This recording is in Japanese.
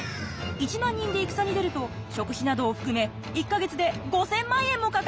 １万人で戦に出ると食費などを含め１か月で５，０００万円もかかります。